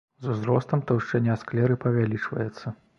З узростам таўшчыня склеры павялічваецца.